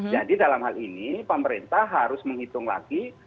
jadi dalam hal ini pemerintah harus menghitung lagi